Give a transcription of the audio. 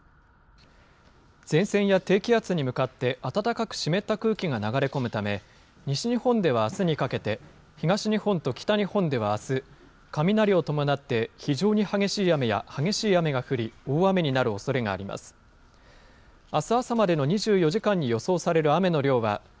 前線や低気圧に向かって暖かく湿った空気が流れ込むため、西日本ではあすにかけて、東日本と北日本ではあす、雷を伴って、非常に激しい雨や激しい雨が降り、大雨になるおそれがあります。